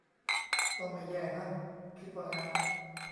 ก็ไม่แย่นะ คิดว่างั้น